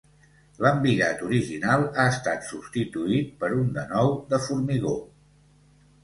L'embigat original ha estat substituït per un de nou de formigó.